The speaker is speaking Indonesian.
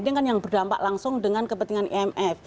ini kan yang berdampak langsung dengan kepentingan imf